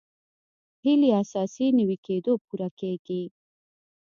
هیلې اساسي نوي کېدو پوره کېږي.